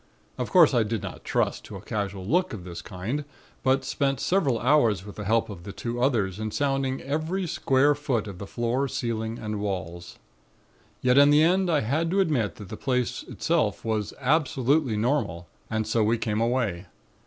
Of course, I did not trust to a casual look of this kind, but spent several hours with the help of the two others in sounding every square foot of the floor, ceiling and walls. "Yet, in the end I had to admit that the place itself was absolutely normal and so we came away.